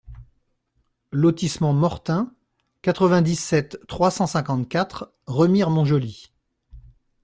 Lotissement Mortin, quatre-vingt-dix-sept, trois cent cinquante-quatre Remire-Montjoly